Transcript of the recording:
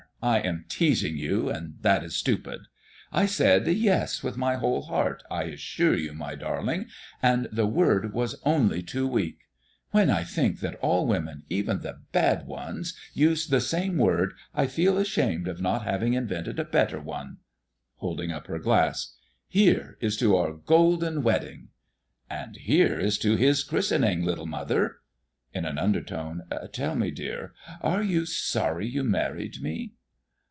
I am teasing you, and that is stupid. I said yes with my whole heart, I assure you, my darling, and the word was only too weak. When I think that all women, even the bad ones, use that same word, I feel ashamed of not having invented a better one. [Holding up her glass.] Here is to our golden wedding!" "And here is to his christening, little mother!" In an undertone: "Tell me, dear, are you sorry you married me?"